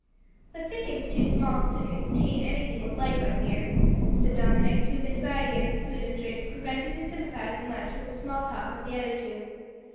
"The thicket is too small to contain anything with life, I fear," said Dominick, whose anxiety as to food and drink prevented his sympathising much with the small talk of the other two.